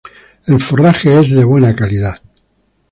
El forraje es de buena calidad.